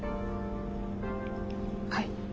はい。